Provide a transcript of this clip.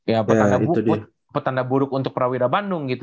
ya petanda buruk untuk prawira bandung gitu